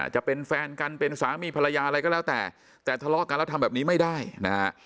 จะเป็นแฟนกันเป็นสามีภรรยาอะไรก็แล้วแต่แต่ทะเลาะกันแล้วทำแบบนี้ไม่ได้นะฮะ